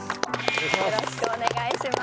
よろしくお願いします。